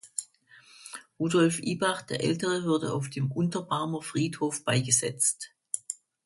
Rudolf Ibach der Ältere wurde auf dem Unterbarmer Friedhof beigesetzt.